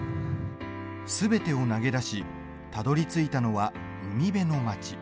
すべてを投げ出したどりついたのは海辺の町。